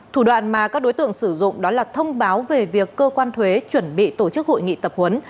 thủ đoạn mà các đối tượng sử dụng đó là thông báo về việc cơ quan thuế chuẩn bị tổ chức hội nghị tập huấn